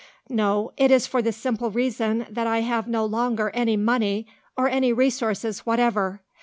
No; it is for the simple reason that I have no longer any money or any resources whatever.